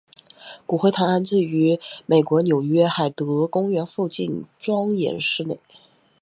骨灰坛安置于美国纽约海德公园附近庄严寺内。